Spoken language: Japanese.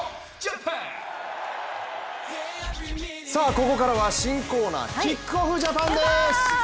ここからは新企画「キックオフ！ジャパン」です。